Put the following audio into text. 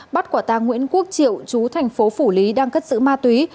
bắt quả tàng nguyễn quốc triệu chú tp hcm đang cất giữ ma túy